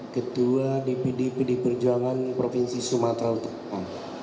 ketua dpd pd perjuangan provinsi sumatera utara